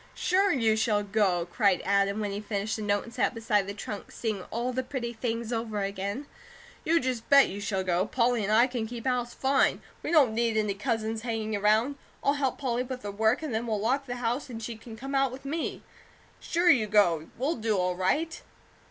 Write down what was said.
"Sure you shall go!" cried Adam, when he finished the note, and sat beside the trunk seeing all the pretty things over again. "You just bet you shall go. Polly and I can keep house, fine! We don't need any cousins hanging around. I'll help Polly with her work, and then we'll lock the house and she can come out with me. Sure you go! We'll do all right."